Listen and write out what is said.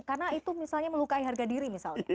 karena itu misalnya melukai harga diri